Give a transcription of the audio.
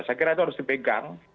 saya kira itu harus dipegang